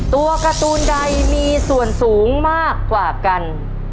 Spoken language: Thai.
ตัวการ์ตูนใดมีส่วนสูงมากกว่ากัน